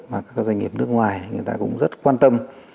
mà các doanh nghiệp nước ngoài người ta cũng rất quan tâm